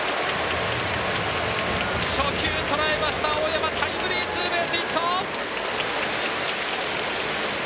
初球とらえました、大山タイムリーツーベースヒット！